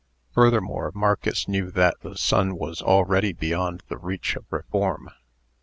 Furthermore, Marcus knew that the son was already beyond the reach of reform.